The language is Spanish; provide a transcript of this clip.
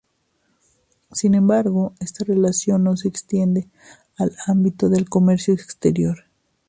Sin embargo, esta relación no se extiende al ámbito del comercio exterior.